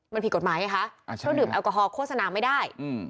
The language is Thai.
มันผิดกฎหมายไงคะเครื่องดื่มแอลกอฮอลโฆษณาไม่ได้